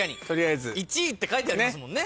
１位って書いてありますもんね。